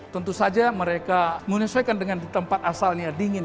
tentu saja mereka menyesuaikan dengan di tempat asalnya dingin